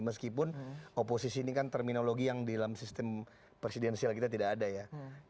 meskipun oposisi ini kan terminologi yang di dalam sistem presidensial kita tidak ada ya